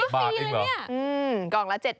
๗บาทเองเหรอ